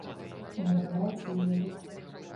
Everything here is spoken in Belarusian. Мне падабаецца яе гук.